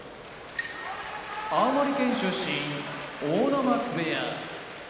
青森県出身阿武松部屋